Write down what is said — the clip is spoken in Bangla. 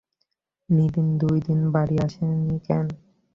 নিতিন দুই দিন বাড়ি আসেনি কেন?